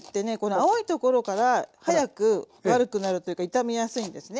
青いところから早く悪くなるというか傷みやすいんですね。